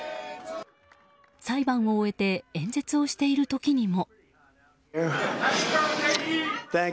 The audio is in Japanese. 裁判を終えて演説をしている時にも。